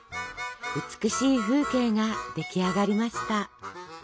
美しい風景が出来上がりました。